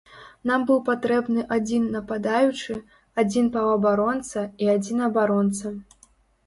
Нам быў патрэбны адзін нападаючы, адзін паўабаронца і адзін абаронца.